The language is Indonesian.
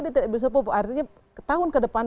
dia tidak bisa pupuk artinya tahun ke depan